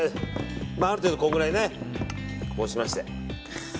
ある程度このくらいこうしまして。